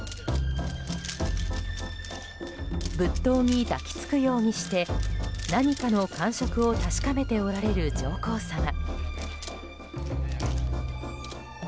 仏塔に抱き着くようにして何かの感触を確かめておられる上皇さま。